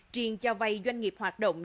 triền cho vay doanh nghiệp hoạt động